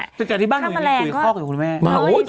ตั้งแต่ที่บ้านหนูยังมีปุ๋ยคลอกอยู่คุณแม่